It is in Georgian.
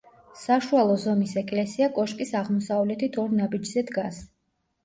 საშუალო ზომის ეკლესია კოშკის აღმოსავლეთით ორ ნაბიჯზე დგას.